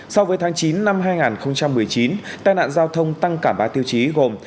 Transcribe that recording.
so với tháng chín năm hai nghìn một mươi chín tai nạn giao thông tăng cả ba tiêu chí gồm